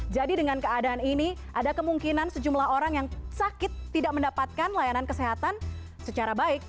jadi dengan keadaan ini ada kemungkinan sejumlah orang yang sakit tidak mendapatkan layanan kesehatan secara baik